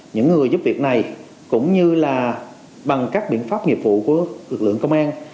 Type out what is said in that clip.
những người giúp việc này cũng như là bằng các biện pháp nghiệp vụ của lực lượng công an